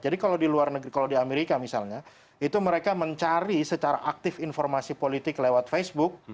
jadi kalau di amerika misalnya itu mereka mencari secara aktif informasi politik lewat facebook